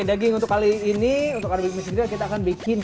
oke daging untuk kali ini untuk arabic mixed grill kita siapkan daging